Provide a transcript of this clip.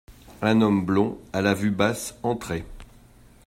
Un homme blond, à la vue basse, entrait.